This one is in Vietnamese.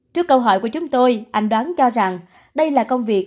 trước câu hỏi của chúng tôi anh đoán cho rằng đây là công việc